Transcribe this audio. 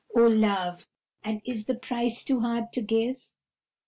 O Love and is the price too hard to give?